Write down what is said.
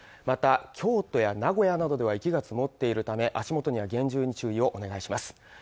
また京都や名古屋などでは雪が積もっているため足元には厳重に注意をお願いします